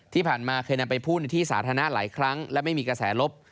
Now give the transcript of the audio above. ที่ผ่านมาเคยนำไปพูดในที่สาธารณะหลายครั้งและไม่มีกระแสลบ